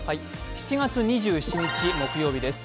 ７月２７日木曜日です。